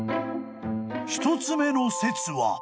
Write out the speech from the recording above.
［１つ目の説は］